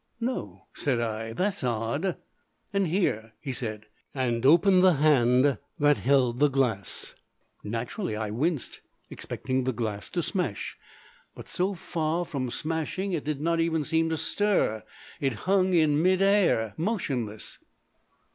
"No," said I; "that's odd." "And here," he said, and opened the hand that held the glass. Naturally I winced, expecting the glass to smash. But so far from smashing it did not even seem to stir; it hung in mid air motionless.